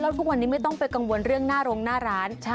ทุกวันนี้ไม่ต้องไปกังวลเรื่องหน้าโรงหน้าร้าน